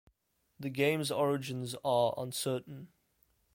The game's origins are uncertain.